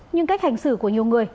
nhưng cách hành xử của nhiều người